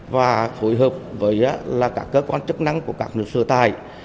và phối hợp với các cơ quan chức năng của các người sửa tài